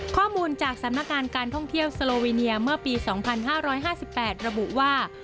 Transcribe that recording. ข้อมูลจากสำนักงานการท่องเที่ยวสโลวิเนียเมื่อปี๒๕๕๘ระบุว่า